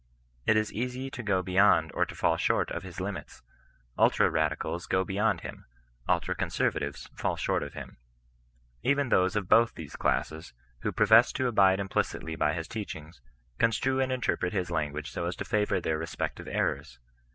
It is easy to go beyond,* or to fobll short of his limits. Ultra radicals go beyond Jiiza, JJlin oanserratives fall short of him. Eventiiose CHRISTIAN NON RESISTANCE. 11 of both these classes, who profess to abide implicitly by his teachings, construe and interpret his language so as to favour their respective errors.